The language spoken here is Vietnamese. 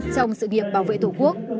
trong sự nghiệp bảo vệ tổ quốc